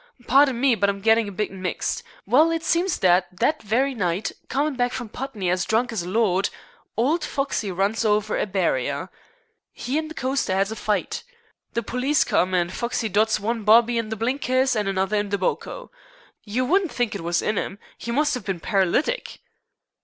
Pardon me, but I'm gettin' a bit mixed. Well, it seems that that very night, comin' back from Putney as drunk as a lord, old Foxey runs over a barrer. 'E an' the coster 'as a fight. The police come, and Foxey dots one bobby in the blinkers and another on the boko. You wouldn't think it was in 'im. 'E must 'ave bin paralytic."